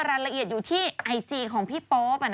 รายละเอียดอยู่ที่ไอจีของพี่โป๊ป